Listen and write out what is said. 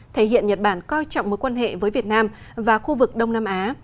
thể hiện nhật bản coi trọng mối quan hệ với việt nam và khu vực đông nam á